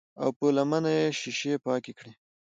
او پۀ لمنه يې شيشې پاکې کړې